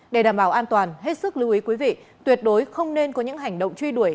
để đảm bảo an toàn hết sức lưu ý quý vị tuyệt đối không nên có những hành động truy đuổi